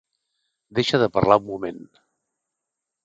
Deixa de parlar un moment.